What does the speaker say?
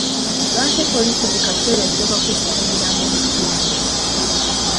Lwaki poliisi buli kaseera esooka kuddusa mirambo mu ddwaliro?